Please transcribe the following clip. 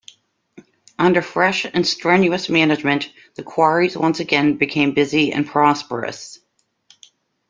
Under fresh and strenuous management the quarries once again became busy and prosperous.